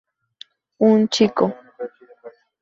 Un chico.